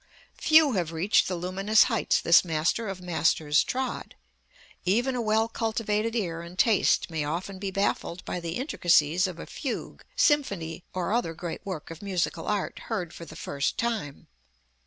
Few have reached the luminous heights this master of masters trod. Even a well cultivated ear and taste may often be baffled by the intricacies of a fugue, symphony or other great work of musical art heard for the first time.